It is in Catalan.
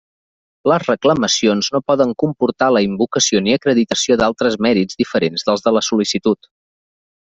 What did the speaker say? Les reclamacions no poden comportar la invocació ni acreditació d'altres mèrits diferents dels de la sol·licitud.